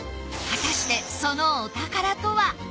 果たしてそのお宝とは？